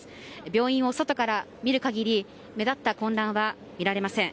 病院を外から見る限り目立った混乱は見られません。